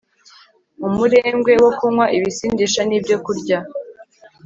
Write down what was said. Umurengwe wo kunywa ibisindisha nibyokurya